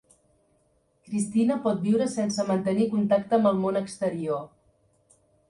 Christina pot viure sense mantenir contacte amb el món exterior.